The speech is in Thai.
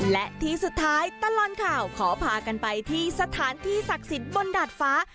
และที่สุดท้ายตลอดข่าวขอพากันไปที่สถานที่ศักดิ์สิทธิ์บนดาดฟ้า